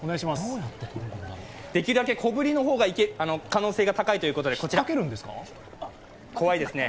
できるだけ小ぶりの方が可能性が高いということで。